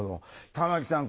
玉木さん